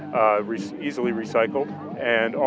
bởi vì trái điện tử rất là đáng giá